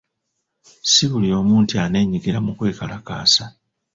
Si buli omu nti aneenyigira mu kwekalakaasa.